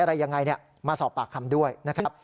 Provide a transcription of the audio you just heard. อะไรยังไงมาสอบปากคำด้วยนะครับ